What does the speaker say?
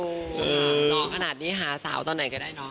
หล่อขนาดนี้หาสาวตอนไหนก็ได้เนาะ